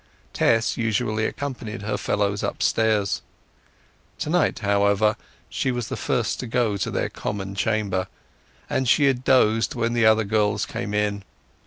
Tess usually accompanied her fellows upstairs. To night, however, she was the first to go to their common chamber; and she had dozed when the other girls came in.